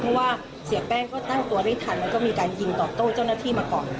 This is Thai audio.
เพราะว่าเสียแป้งก็ตั้งตัวได้ทันแล้วก็มีการยิงตอบโต้เจ้าหน้าที่มาก่อน